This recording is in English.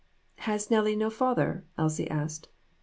"Has Nellie no father?" Elsie asked.